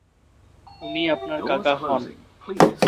উনি আপনার কাকা হন।